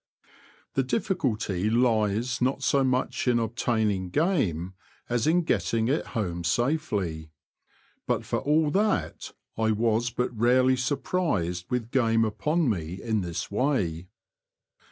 The difficulty lies not so much in obtaining game as in getting it home safely ; but for all that I was but rarely surprised with game upon me in this way.